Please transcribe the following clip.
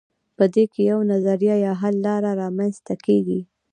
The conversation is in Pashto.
په دې کې یوه نظریه یا حل لاره رامیینځته کیږي.